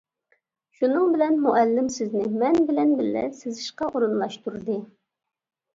شۇنىڭ بىلەن مۇئەللىم سىزنى مەن بىلەن بىللە سىزىشقا ئورۇنلاشتۇردى.